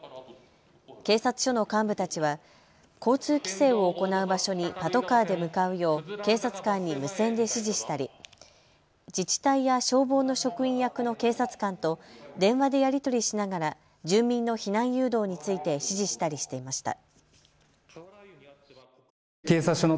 警察署の幹部たちは交通規制を行う場所にパトカーで向かうよう警察官に無線で指示したり自治体や消防の職員役の警察官と電話でやり取りしながら住民の避難誘導について指示したりしていました。